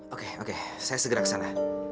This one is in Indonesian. oke oke saya segera ke sana